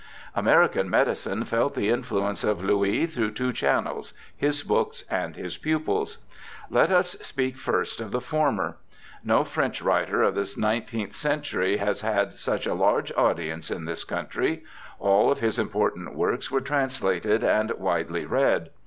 American medicine felt the influence of Louis through two channels, his books and his pupils. Let us speak 194 BIOGRAPHICAL ESSAYS first of the former. No French writer of the nineteenth century has had such a large audience in this country ; all of his important works were translated and widely read.